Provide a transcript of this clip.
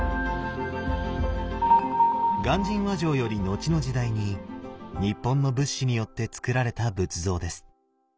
鑑真和上より後の時代に日本の仏師によってつくられた仏像です。